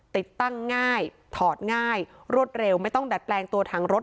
ติดตั้งง่ายถอดง่ายรวดเร็วไม่ต้องดัดแปลงตัวถังรถ